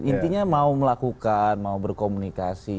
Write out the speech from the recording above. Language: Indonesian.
intinya mau melakukan mau berkomunikasi